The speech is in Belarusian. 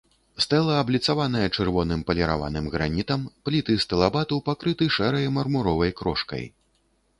Стэла абліцаваная чырвоным паліраваным гранітам, пліты стылабату пакрыты шэрай мармуровай крошкай.